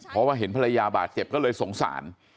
เพราะว่าเห็นภรรยาบาดเจ็บก็เลยสงสาร